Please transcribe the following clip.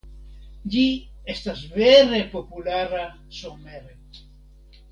Ĝi estas vere populara somere.